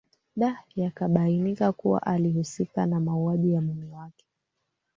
da ya kubainika kuwa alihusika na mauwaji ya mume wake